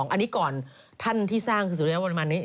อันนี้ก่อนท่านที่สร้างคือศูนย์หลวงที่๒วรมันนี้